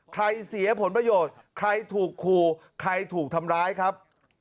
เสียผลประโยชน์ใครถูกขู่ใครถูกทำร้ายครับ